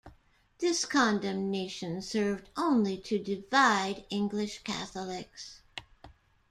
This condemnation served only to divide English Catholics.